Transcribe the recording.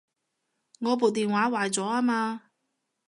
我部電話壞咗吖嘛